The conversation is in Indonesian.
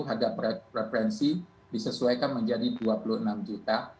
harga preferensi disesuaikan menjadi dua puluh enam juta